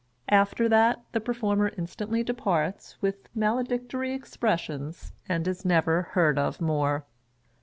After that, the Performer instantly departs with maledictory expressions, and is never heard of more.